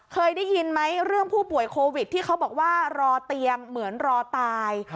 เคยได้ยินไหมเรื่องผู้ป่วยโควิดที่เขาบอกว่ารอเตียงเหมือนรอตาย